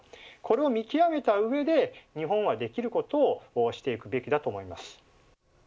これを見極めた上で日本はできることをしていくべきだと思います。